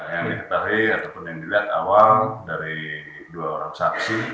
yang dilihat awal dari dua orang saksi mulai awal api dari lokasi tersebut